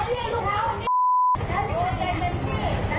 นี่ฉันไม่ใช่เจ้าค่ะ